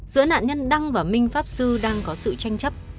giữa nạn nhân đăng và minh pháp sư đang có sự tranh chấp